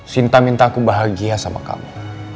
cinta minta aku bahagia sama kamu